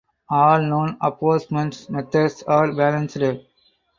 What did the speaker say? All known apportionment methods are balanced.